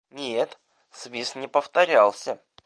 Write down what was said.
Нет, свист не повторялся.